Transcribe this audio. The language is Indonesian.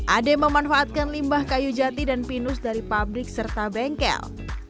ade memanfaatkan limbah kayu jati dan pinus dari pabrik serta bengkel